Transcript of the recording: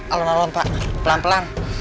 alhamdulillah pak pelan pelan